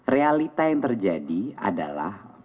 realita yang terjadi adalah